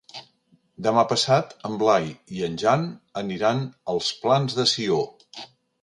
Demà passat en Blai i en Jan aniran als Plans de Sió.